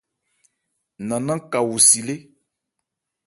Nannán ka wo si lé.